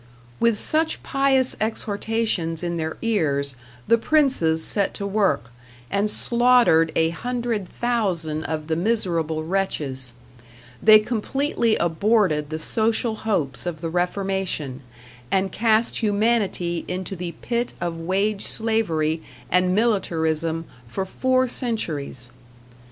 With such pious exhortations in their ears the princes set to work, and slaughtered a hundred thousand of the miserable wretches; they completely aborted the social hopes of the Reformation, and cast humanity into the pit of wage slavery and militarism for four centuries.